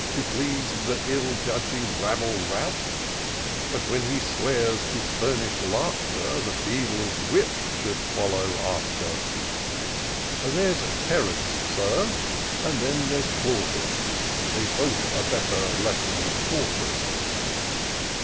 To please th' ill judging rabble rout: But when he swears, to ftimish laughter. The beadle's whip should follow after. There's Terence, Sir, and then there's Plautus They've both a better lesson taught us." in search of the picturesque.